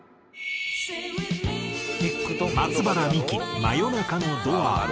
松原みき『真夜中のドア』や。